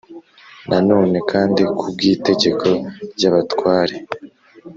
Nanone kandi ku bw’itegeko ry’abatware,